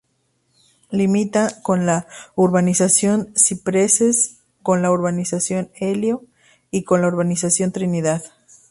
Limita con la Urbanización Cipreses, con la Urbanización Elio y con la Urbanización Trinidad.